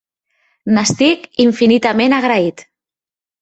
N'estic infinitament agraït.